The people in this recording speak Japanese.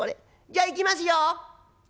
じゃいきますよ。